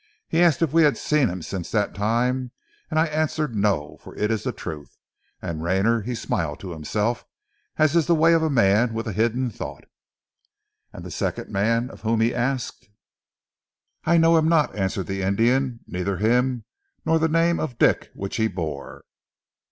He ask if we have seen him since that time, and I answer no, for it is the truth, and Rayner he smile to himself as is the way of a man with a hidden thought." "And the second man of whom he asked?" "I know him not!" answered the Indian, "neither him nor the name of Dick which he bore."